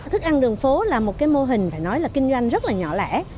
thức ăn đường phố là một mô hình kinh doanh rất nhỏ lẻ